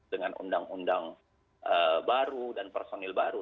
dengan undang undang baru dan personil baru